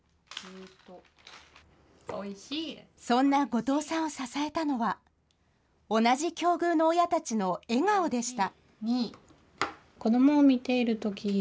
そんな後藤さんを支えたのは、同じ境遇の親たちの笑顔でした。